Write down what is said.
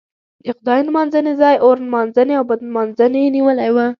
د خدای نمانځنې ځای اور نمانځنې او بت نمانځنې نیولی و.